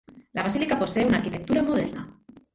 La basílica posee una arquitectura moderna.